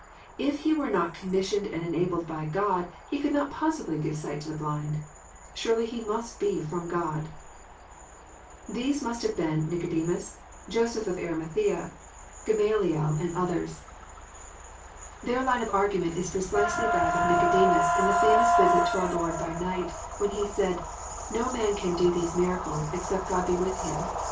If He were «< not commissioned and enabled by God, He could not possibly give sight to the blind. Surely He must be from God. "— Thest most have been Nicodemos, Joseph of Arlmathsea, Gamaliel, 154 EXPOSITORY THOUGHTS. and others. Their line of argnment Is precisely that of Nico demus in the famous visit to our Lord by night, when he said, '< No man can do these miracles except God be with him."